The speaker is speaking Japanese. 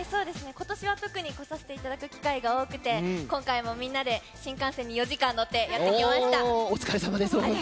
今年は特に来させていただく機会が多くて今回もみんなで新幹線に４時間乗ってお疲れさまです。